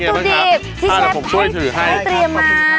สวัสดีเชฟที่ให้เชฟมา